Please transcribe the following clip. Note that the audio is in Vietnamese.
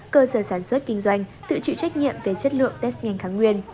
cơ sở sản xuất kinh doanh tự chịu trách nhiệm về chất lượng test nhanh kháng nguyên